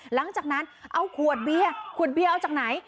หลังจากนั้นเอาขวดเบียร์ขวดเบียร์เอาจากไหน